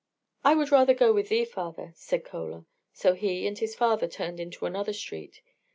"I would rather go with thee, father," said Chola, so he and his father turned into another street.